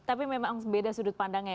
tapi memang beda sudut pandangnya